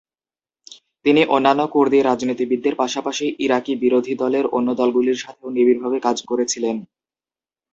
তিনি অন্যান্য কুর্দি রাজনীতিবিদদের পাশাপাশি ইরাকি বিরোধী দলের অন্য দলগুলির সাথেও নিবিড়ভাবে কাজ করেছিলেন।